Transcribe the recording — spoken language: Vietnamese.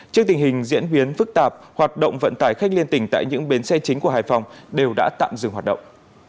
trước tình hình diễn biến phức tạp hoạt động vận tải khách liên tỉnh tại những bến xe chính của hải phòng đều đã tạm dừng hoạt động